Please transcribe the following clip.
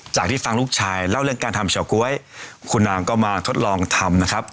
ที่ฟังลูกชายเล่าเรื่องการทำเฉาก๊วยคุณนางก็มาทดลองทำนะครับ